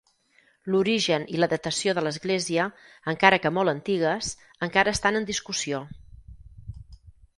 L'origen i la datació de l'església, encara que molt antigues, encara estan en discussió.